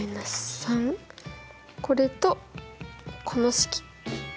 これとこの式。